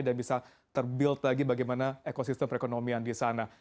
dan bisa terbangun lagi bagaimana ekosistem perekonomian di sana